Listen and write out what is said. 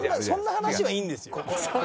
「そんな話はいいんですよ」